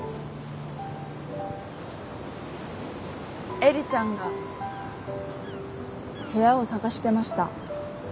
映里ちゃんが部屋を探してました。